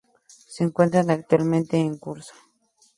Se encuentra actualmente en curso.